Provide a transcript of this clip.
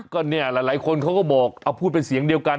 ก็เนี่ยหลายคนเขาก็บอกเอาพูดเป็นเสียงเดียวกัน